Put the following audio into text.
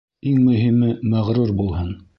— Иң мөһиме, мәғрур булһын.